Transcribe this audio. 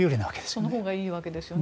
そのほうがいいわけですよね。